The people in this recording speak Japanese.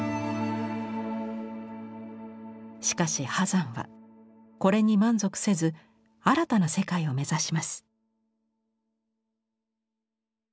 しかし波山はこれに満足せず新たな世界を目指します。